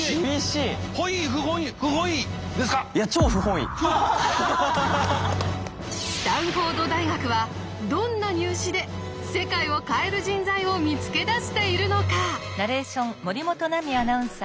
いやスタンフォード大学はどんな入試で世界を変える人材を見つけ出しているのか？